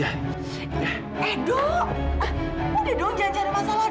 eh edo udah dong jangan cari masalah do